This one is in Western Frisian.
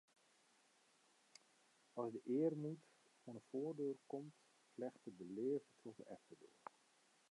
As de earmoed oan 'e foardoar komt, flechtet de leafde troch de efterdoar.